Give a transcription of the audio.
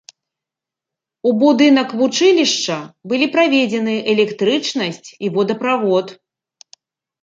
У будынак вучылішча былі праведзены электрычнасць і водаправод.